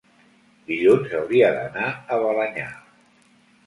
dilluns hauria d'anar a Balenyà.